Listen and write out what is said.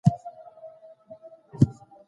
موږ بايد معنوي کلتور ته هم درناوی وکړو.